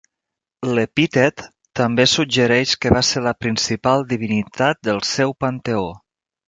L'epítet també suggereix que va ser la principal divinitat del seu panteó.